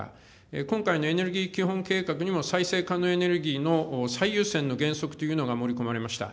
今回のエネルギー基本計画にも、再生可能エネルギーの最優先の原則というのが盛り込まれました。